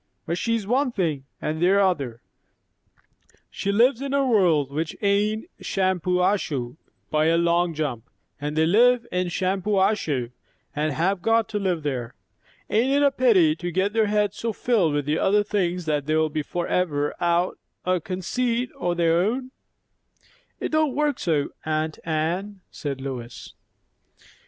But she's one thing, and they're another; she lives in her world, which ain't Shampuashuh by a long jump, and they live in Shampuashuh, and have got to live there. Ain't it a pity to get their heads so filled with the other things that they'll be for ever out o' conceit o' their own?" "It don't work so, aunt Anne," said Lois.